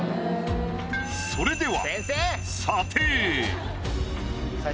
それでは。